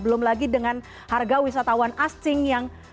belum lagi dengan harga wisatawan asing yang